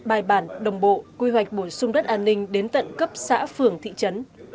bài bản đồng bộ quy hoạch bổ sung đất an ninh đến tận cấp xã phường thị trấn